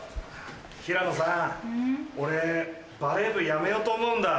平野さん俺バレー部やめようと思うんだ。